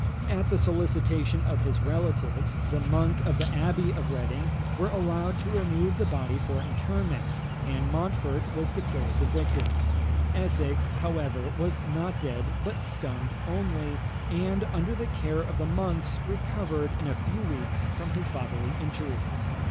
At the solicitation of his relatives, the monks of the Abbey of Reading were allowed to remove the body for interment, and Montfort was declared the victor. Essex, however, was not dead, but stunned only, and, under the care of the monks, recovered in a few weeks from his bodily injuries.